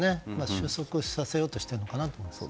収束させようとしているのかなと思います。